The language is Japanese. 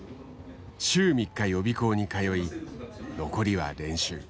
週３日予備校に通い残りは練習。